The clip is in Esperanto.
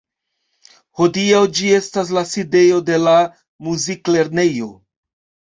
Hodiaŭ ĝi estas la sidejo de la Muziklernejo.